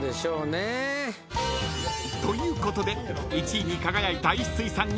［ということで１位に輝いた一穂さんに］